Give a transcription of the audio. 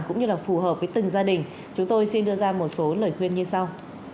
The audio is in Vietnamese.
cũng như là phù hợp với từng gia đình chúng tôi xin đưa ra một số lời khuyên như sau